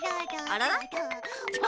あらら？